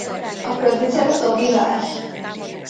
A Producere Toby Welch.